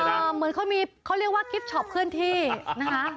เหมือนเขามีเขาเรียกว่ากิฟต์ช็อปเคลื่อนที่นะคะ